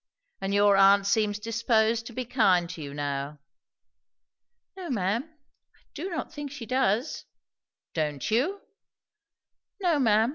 And your aunt seems disposed to be kind to you now." "No, ma'am, I do not think she does." "Don't you!" "No, ma'am.